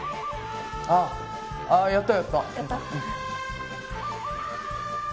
ああああやったやった。